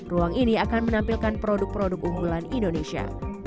ruang ini akan menampilkan produk produk unggulan indonesia